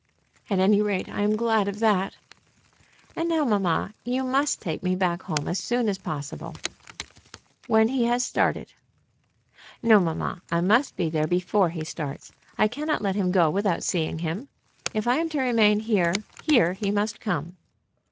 "At any rate I am glad of that." "And now, mamma, you must take me back home as soon as possible." "When he has started." "No, mamma. I must be there before he starts. I cannot let him go without seeing him. If I am to remain here, here he must come."